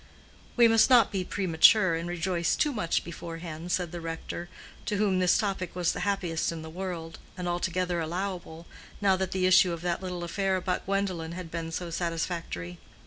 "We must not be premature, and rejoice too much beforehand," said the rector, to whom this topic was the happiest in the world, and altogether allowable, now that the issue of that little affair about Gwendolen had been so satisfactory.